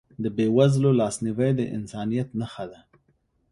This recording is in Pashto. د بېوزلو لاسنیوی د انسانیت نښه ده.